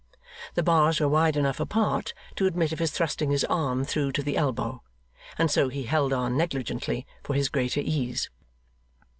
The bars were wide enough apart to admit of his thrusting his arm through to the elbow; and so he held on negligently, for his greater ease.